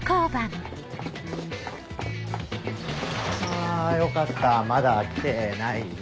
あよかったまだ来てないね。